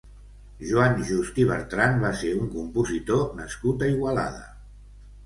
Joan Just i Bertran va ser un compositor nascut a Igualada.